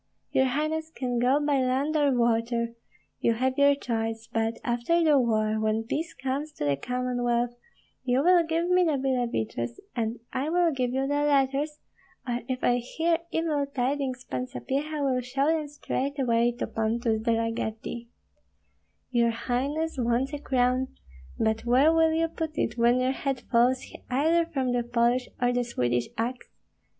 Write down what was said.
Your highness can go by land or water (you have your choice); but after the war, when peace comes to the Commonwealth, you will give me the Billeviches, and I will give you the letters, or if I hear evil tidings Pan Sapyeha will show them straightway to Pontus de la Gardie. Your highness wants a crown, but where will you put it when your head falls either from the Polish or the Swedish axe?